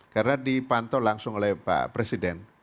karena dipantau langsung oleh pak presiden